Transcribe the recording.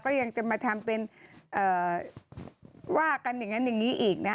ยังจะมาทำเป็นว่ากันอย่างนั้นอย่างนี้อีกนะ